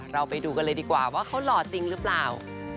เราไปดูกันเลยดีกว่าว่าเขาหล่อจริงหรือเปล่า